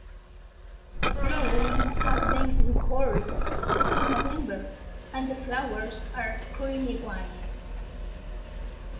Flowering has been recorded in November and the flowers are creamy white.